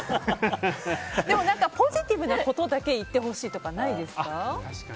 でも、ポジティブなことだけ言ってほしいとか、ないですか？